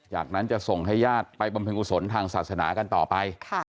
จากนั้นจะส่งให้ญาติไปบำเพ็ญกุศลทางศาสนากันต่อไป